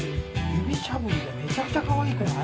指しゃぶりがめちゃくちゃかわいくない？